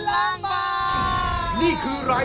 น้องเป็นหนุ่มสาว